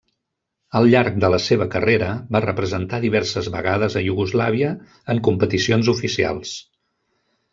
Al llarg de la seva carrera, va representar diverses vegades a Iugoslàvia en competicions oficials.